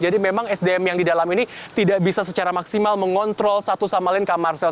jadi memang sdm yang di dalam ini tidak bisa secara maksimal mengontrol satu sama lain kamar sel